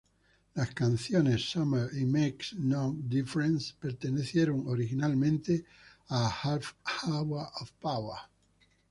Las canciones ""Summer"" y ""Makes No Difference"" pertenecieron originalmente a "Half Hour of Power".